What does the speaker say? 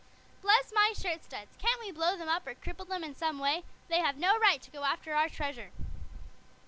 "Bless my shirt studs! Can't we blow them up, or cripple them in some way? They have no right to go after our treasure."